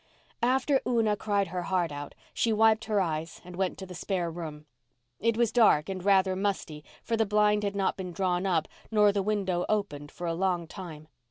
After Una cried her heart out she wiped her eyes and went to the spare room. It was dark and rather musty, for the blind had not been drawn up nor the window opened for a long time.